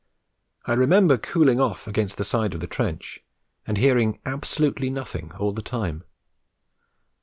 I remember cooling off against the side of the trench, and hearing absolutely nothing all the time.